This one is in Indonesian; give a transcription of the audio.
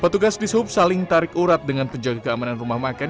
petugas di sub saling tarik urat dengan penjaga keamanan rumah makan